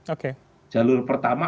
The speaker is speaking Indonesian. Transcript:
oke jalur pertama